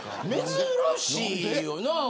珍しいよな。